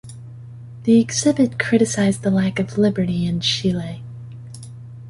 The exhibit criticized the lack of liberty in Chile.